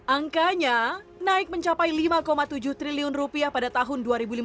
angkanya naik mencapai lima tujuh triliun rupiah pada tahun dua ribu lima belas